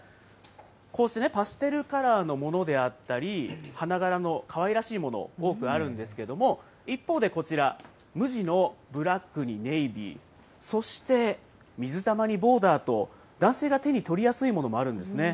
こうしてね、パステルカラーのものであったり、花柄のかわいらしいもの、多くあるんですけれども、一方で、こちら、無地のブラックにネイビー、そして、水玉にボーダーと、男性が手に取りやすいものもあるんですね。